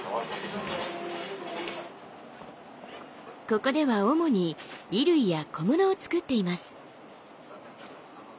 ここでは主に衣類や小物を作っています。